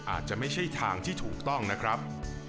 อาจจะไม่ใช่ทางที่ถูกต้องนะครับ